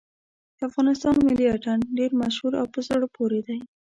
د افغانستان ملي اتڼ ډېر مشهور او په زړه پورې دی.